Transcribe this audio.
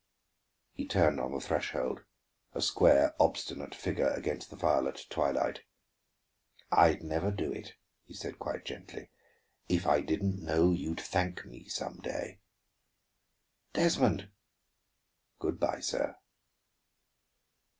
He turned on the threshold, a square, obstinate figure against the violet twilight. "I'd never do it," he said quite gently, "if I didn't know you'd thank me some day." "Desmond " "Good by, sir."